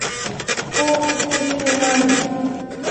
Ku ngusisi na ame.